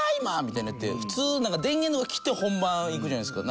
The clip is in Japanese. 普通電源とか切って本番行くじゃないですか。